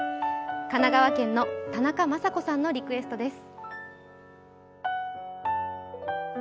神奈川県の田中雅子さんのリクエストです。